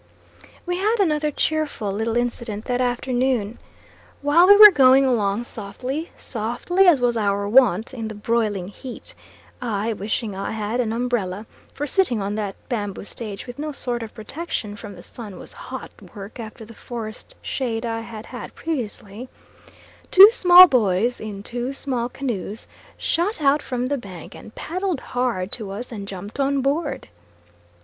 We had another cheerful little incident that afternoon. While we were going along softly, softly as was our wont, in the broiling heat, I wishing I had an umbrella for sitting on that bamboo stage with no sort of protection from the sun was hot work after the forest shade I had had previously two small boys in two small canoes shot out from the bank and paddled hard to us and jumped on board.